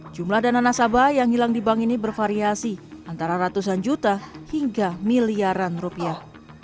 jumlah dana nasabah yang hilang di bank ini bervariasi antara ratusan juta hingga miliaran rupiah